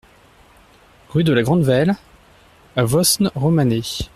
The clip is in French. Rue de la Grand'Velle à Vosne-Romanée